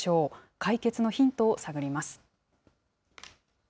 解決のヒントを探ります。